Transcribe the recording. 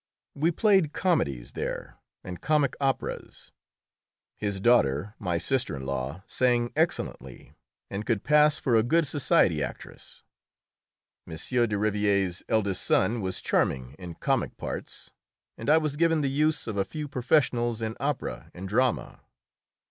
We played comedies there, and comic operas. His daughter (my sister in law) sang excellently, and could pass for a good society actress. M. de Rivière's eldest son was charming in comic parts, and I was given the use of a few professionals in opera and drama.